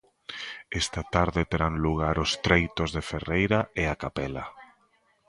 Esta tarde terán lugar os treitos de Ferreira e A Capela.